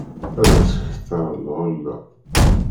Ad as-d-tketteṛ lɣella.